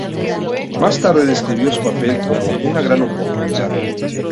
Más tarde describió su papel como "una gran oportunidad".